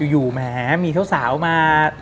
อยู่แม้มีเท่าสาวมา